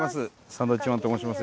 サンドウィッチマンと申します。